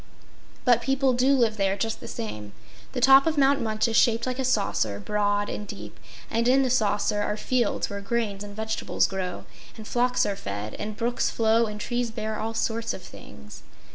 But people DO live there, just the same. The top of Mount Munch is shaped like a saucer, broad and deep, and in the saucer are fields where grains and vegetables grow, and flocks are fed, and brooks flow and trees bear all sorts of things.